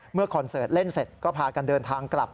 คอนเสิร์ตเล่นเสร็จก็พากันเดินทางกลับ